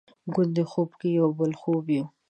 ګوندې خوب کې یو بل خوب یو؟